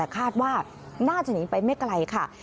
คาดว่าน่าจะหนีไปไม่ไกลค่ะ